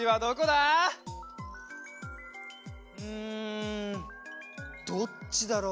ああどっちだろう？